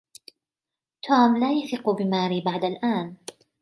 توم لا يثق بماري بعد الآن.